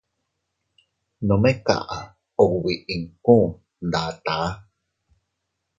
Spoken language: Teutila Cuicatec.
Nome kaʼa ubi inkuu ndataa.